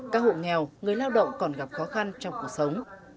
các hộ nghèo người lao động còn gặp khó khăn trong cuộc sống